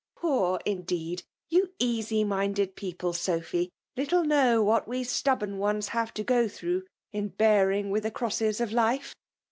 '*!^ Poor, iadoed ! You easy minded people, Sdpli^ Hide know what we stubborn ones •have .to go ifarough, in bearing with the crosses eCilife.